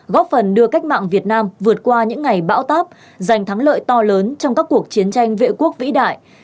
góp phần đưa cách mạng việt nam vượt qua những ngày bão táp giành thắng lợi to lớn trong các cuộc chiến tranh vệ quốc vĩ đại